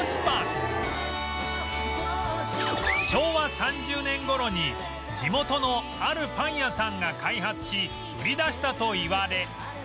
昭和３０年頃に地元のあるパン屋さんが開発し売り出したといわれ